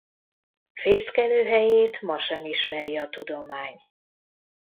Fészkelőhelyét ma sem ismeri a tudomány.